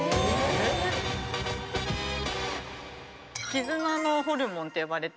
絆のホルモンって呼ばれていて。